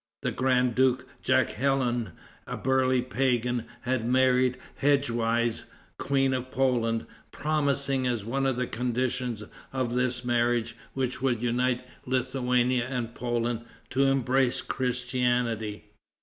The grand duke, Jaghellon, a burly pagan, had married Hedwige, Queen of Poland, promising, as one of the conditions of this marriage which would unite Lithuania and Poland, to embrace Christianity.